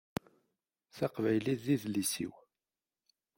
Taqbaylit d idles-iw.